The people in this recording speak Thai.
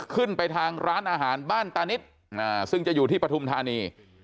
ขึ้นไปทางร้านอาหารบ้านตานิดซึ่งจะอยู่ที่ปฐุมธานี